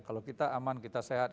kalau kita aman kita sehat